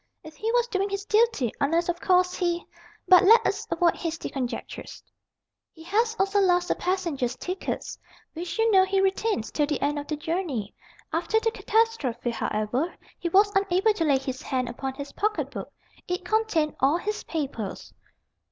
If he was doing his duty unless, of course, he but let us avoid hasty conjectures." "He has also lost the passengers' tickets, which you know he retains till the end of the journey. After the catastrophe, however, he was unable to lay his hand upon his pocket book. It contained all his papers."